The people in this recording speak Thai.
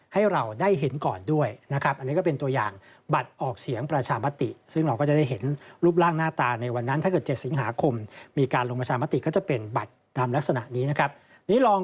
ให้เราได้เห็นก่อนด้วยนะครับอันนี้ก็เป็นตัวอย่าง